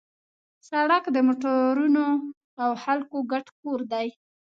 سړک د موټرونو او خلکو ګډ کور دی.